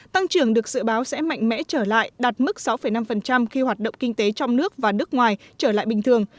tăng trưởng được dự báo sẽ mạnh mẽ trở lại đạt mức sáu năm khi hoạt động kinh tế trong nước và nước ngoài trở lại bình thường